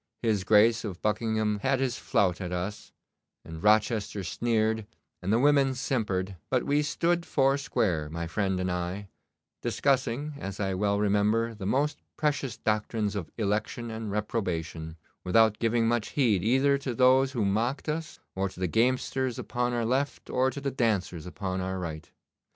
His Grace of Buckingham had his flout at us, and Rochester sneered, and the women simpered; but we stood four square, my friend and I, discussing, as I well remember, the most precious doctrines of election and reprobation, without giving much heed either to those who mocked us, or to the gamesters upon our left, or to the dancers upon our right.